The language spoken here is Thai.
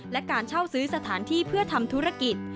และการเช่าซื้อสถานที่เพื่อทำธุรกิจ